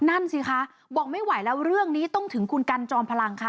นั่นสิคะบอกไม่ไหวแล้วเรื่องนี้ต้องถึงคุณกันจอมพลังค่ะ